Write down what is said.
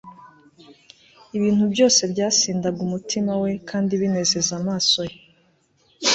ibintu byose byasindaga umutima we kandi binezeza amaso ye